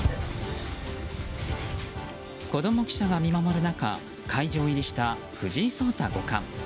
子供記者が見守る中会場入りした藤井聡太五冠。